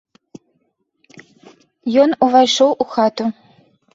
Ён увайшоў у хату.